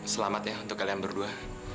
selamat ya untuk kalian berdua